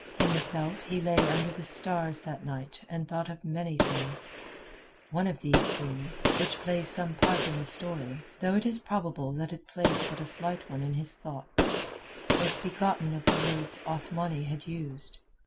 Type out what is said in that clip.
Himself he lay under the stars that night and thought of many things. One of these things, which plays some part in the story, though it is probable that it played but a slight one in his thoughts, was begotten of the words Othmani had used.